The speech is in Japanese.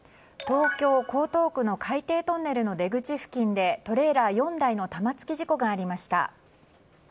東京・江東区の海底トンネルの出口付近でトレーラー４台の玉突き事故がありました。